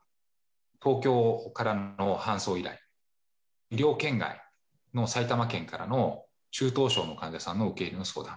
東京からの搬送以来、医療圏外の埼玉県からの中等症の患者さんの受け入れの相談。